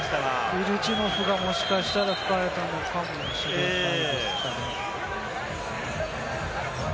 ミルチノフがもしかしたら吹かれたのかもしれません。